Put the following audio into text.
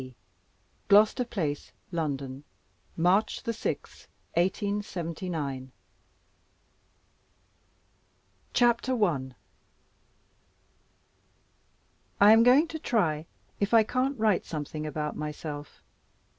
W. C. GLOUCESTER PLACE, LONDON, March 6th, 1879. A ROGUE'S LIFE. CHAPTER I. I AM going to try if I can't write something about myself.